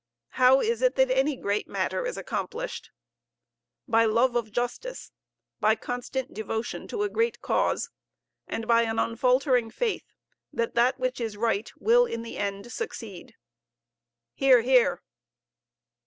How is it that any great matter is accomplished? By love of justice, by constant devotion to a great cause, and by an unfaltering faith that that which is right will in the end succeed. (Hear, hear.)